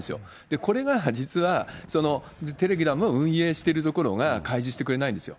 これが実は、そのテレグラムを運営しているところが開示してくれないんですよ。